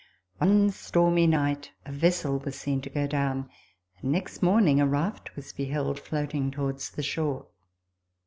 One stormy night a vessel was seen to go down ; and next morning a raft was beheld floating towards the shore.